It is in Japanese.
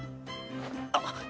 あっ？